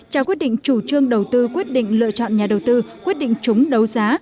trao quyết định chủ trương đầu tư quyết định lựa chọn nhà đầu tư quyết định chúng đấu giá